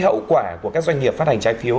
hậu quả của các doanh nghiệp phát hành trái phiếu